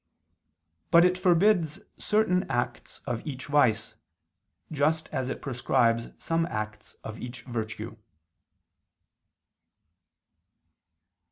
But it forbids certain acts of each vice, just as it prescribes some acts of each virtue.